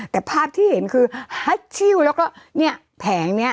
แต่ภาพที่เห็นคือฮัชชิลแล้วก็เนี่ยแผงเนี่ย